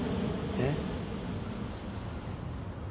えっ？